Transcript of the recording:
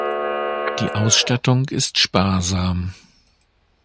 Die Ausstattung ist sparsam.